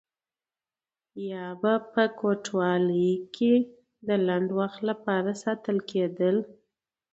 یا به په کوټوالۍ کې د لنډ وخت لپاره ساتل کېدل.